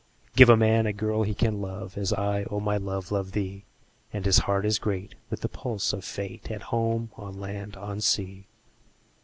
Give a man a girl he can love, As I, O my love, love thee; 10 And his heart is great with the pulse of Fate, At home, on land, on sea.